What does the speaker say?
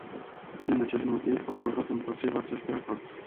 Din acest motiv, am votat împotriva acestui acord.